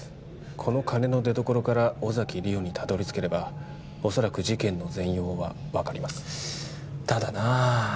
この金の出どころから尾崎莉桜にたどり着ければ恐らく事件の全容は分かりますただなあ